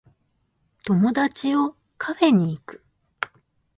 友達をカフェに行く